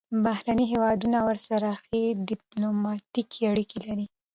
بهرني هیوادونه ورسره ښې ډیپلوماتیکې اړیکې لري.